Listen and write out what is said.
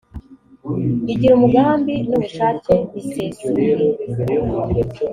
igira umugambi n ubushake bisesuye